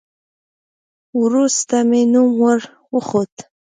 وروسته مې نوم ور وښود.